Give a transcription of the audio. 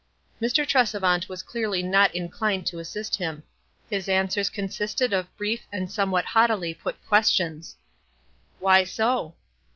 Mr. Tresevant was clearly not inclined to assist him. His answers consisted of brief and somewhat haughtily put questions. "Why so?"